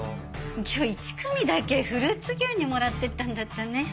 今日１組だけフルーツ牛乳もらってったんだったね。